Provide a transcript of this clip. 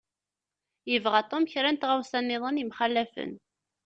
Yebɣa Tom kra n tɣawsa-nniḍen yemxalafen.